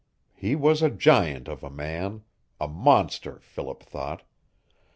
He was a giant of a man. A monster, Philip thought.